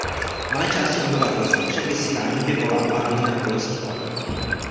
V malé části obyvatelstva však vysílání vyvolává hrozné bolesti hlavy.